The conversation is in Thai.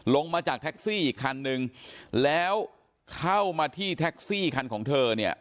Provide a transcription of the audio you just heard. ลงมาจากแท็กซี่อีกคันนึงแล้วเข้ามาที่แท็กซี่คันของเธอเนี่ย